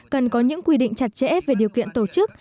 cần có những quy định chặt chẽ về điều kiện tổ chức